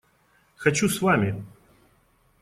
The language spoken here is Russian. Хочу с вами!